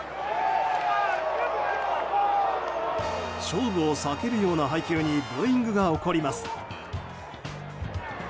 勝負を避けるような配球にブーイングが起こります。